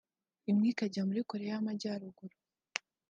imwe ikajya muri Koreya ya Ruguru